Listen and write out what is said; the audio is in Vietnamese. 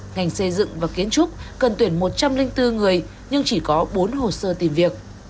ngành xây dựng và kiến trúc cần tuyển một trăm linh bốn người nhưng chỉ có bốn hồ sơ tìm việc